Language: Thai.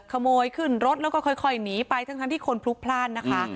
ขโมยขึ้นรถแล้วก็ค่อยหนีไปทั้งที่คนพลุกพลาดนะคะ